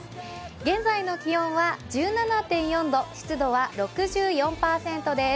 現在の気温は１７．４度、湿度は６４％です。